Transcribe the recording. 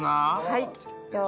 はい。